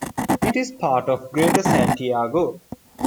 It is part of Greater Santiago.